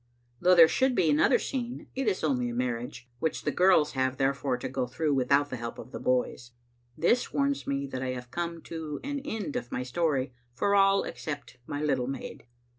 Though there should be another scene, it is only a marriage, which the girls have, therefore, to go through without the help of the boys. This warns me that I have come to an end of my story for all except my little maid.